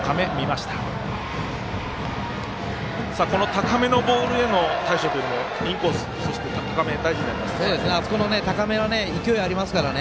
高めのボールへの対処というインコース高めは勢いがありますから。